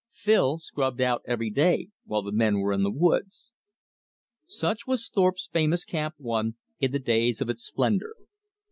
Phil scrubbed out every day, while the men were in the woods. Such was Thorpe's famous Camp One in the days of its splendor.